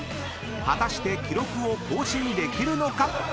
［果たして記録を更新できるのか⁉］